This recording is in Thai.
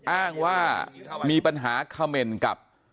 อ้างว่ามีปัญหาเขม่นกับ